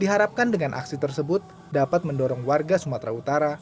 diharapkan dengan aksi tersebut dapat mendorong warga sumatera utara